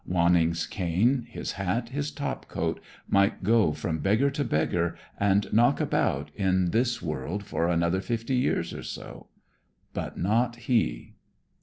Wanning's cane, his hat, his topcoat, might go from beggar to beggar and knock about in this world for another fifty years or so; but not he.